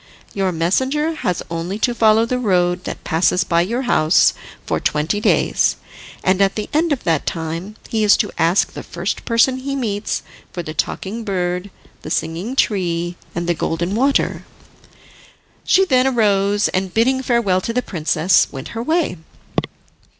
Your messenger has only to follow the road that passes by your house, for twenty days, and at the end of that time, he is to ask the first person he meets for the Talking Bird, the Singing Tree, and the Golden Water." She then rose, and bidding farewell to the princess, went her way.